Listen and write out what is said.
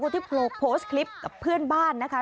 ที่โพสต์คลิปกับเพื่อนบ้านนะคะ